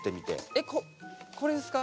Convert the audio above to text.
えっここれですか？